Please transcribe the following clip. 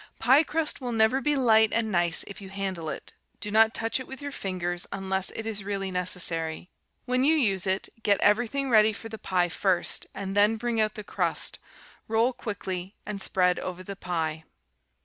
Pie crust will never be light and nice if you handle it. Do not touch it with your fingers unless it is really necessary. When you use it, get everything ready for the pie first, and then bring out the crust, roll quickly, and spread over the pie.